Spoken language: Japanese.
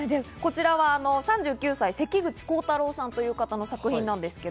３９歳、関口光太郎さんという方の作品です。